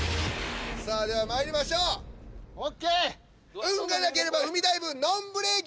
さあではまいりましょうＯＫ運がなければ海ダイブＮＯＮブレーキ